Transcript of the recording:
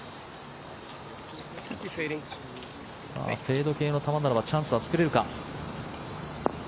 フェード系の球ならばチャンスは作れるか。